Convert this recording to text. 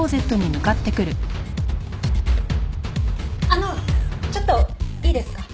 あのちょっといいですか？